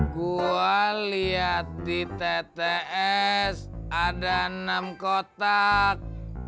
gue liat di tts ada enam kotak